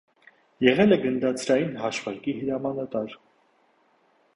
Եղել է գնդացրային հաշվարկի հրամանատար։